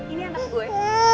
ini anak gue